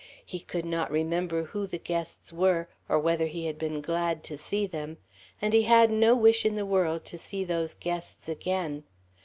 He could not remember who the guests were, or whether he had been glad to see them, and he had no wish in the world to see those guests again.